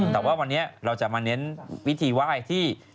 แต่ว่าวันนี้เราจะมาเน้นวิธีไหว้ที่